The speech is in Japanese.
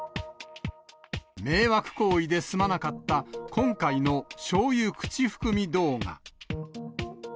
迷惑行為で済まなかった今回のしょうゆ口含み動画。